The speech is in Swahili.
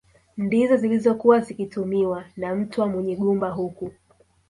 Ndizo zilizokuwa zikitumiwa na Mtwa Munyigumba huku